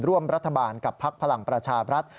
ร่วมรัฐบาลกับพักพลังประชาบรัฐ